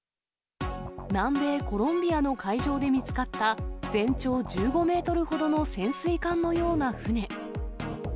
南米コロンビアの海上で見つかった、全長１５メートルほどの潜水艦のような船。